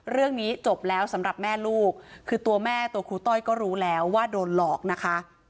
เรื่องนี้จบแล้วสำหรับแม่ลูกคือตัวแม่ตัวครูต้อยก็รู้แล้วว่าโดนหลอกนะคะ